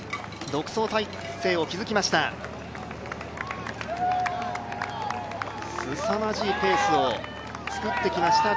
独走態勢を築きました。